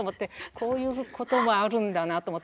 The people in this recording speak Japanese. こういうこともあるんだなと思って。